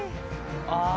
「ああ」